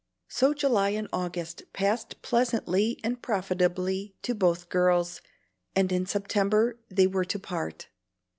So July and August passed pleasantly and profitably to both girls, and in September they were to part.